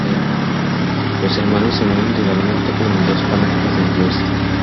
Los hermanos se mueven individualmente con las dos palancas del joystick.